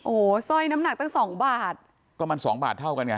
โอ้โหสร้อยน้ำหนักตั้งสองบาทก็มันสองบาทเท่ากันไง